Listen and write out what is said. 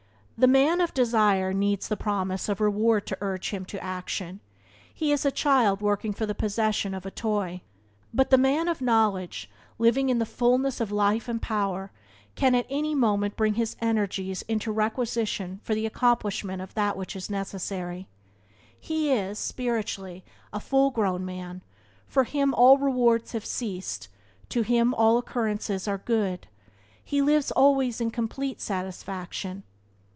The man of desire needs the promise of reward to urge him to action. He is as a child working for the possession of a toy. But the man of knowledge, living in the fullness of life and power, can at any moment bring his energies into requisition for the accomplishment of that which is necessary. He is, spiritually, a full grown man; for him all rewards have ceased; to him all occurrences are good; he lives always in complete satisfaction.